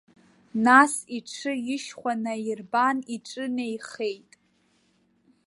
Нас иҽы ишьхәа наирбан, иҿынеихеит.